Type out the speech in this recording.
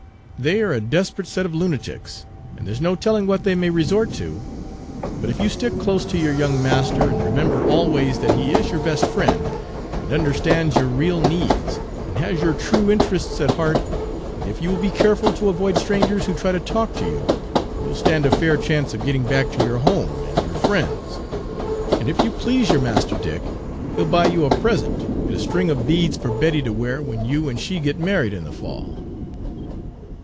"They're a desperate set of lunatics, and there 's no telling what they may resort to. But if you stick close to your young master, and remember always that he is your best friend, and understands your real needs, and has your true interests at heart, and if you will be careful to avoid strangers who try to talk to you, you 'll stand a fair chance of getting back to your home and your friends. And if you please your master Dick, he 'll buy you a present, and a string of beads for Betty to wear when you and she get married in the fall."